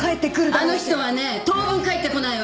あの人はね当分帰ってこないわ。